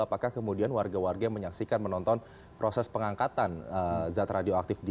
apakah kemudian warga warga yang menyaksikan menonton proses pengangkatan zat radioaktif